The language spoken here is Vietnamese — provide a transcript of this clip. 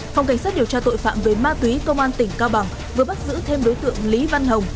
phòng cảnh sát điều tra tội phạm về ma túy công an tỉnh cao bằng vừa bắt giữ thêm đối tượng lý văn hồng